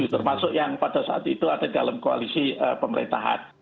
termasuk yang pada saat itu ada dalam koalisi pemerintahan